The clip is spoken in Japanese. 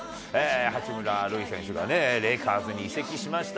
八村塁選手がね、レイカーズに移籍しました。